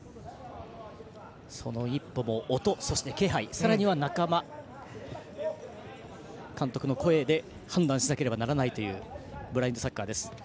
その一歩も音、そして気配さらには仲間、監督の声で判断しなければならないというブラインドサッカーです。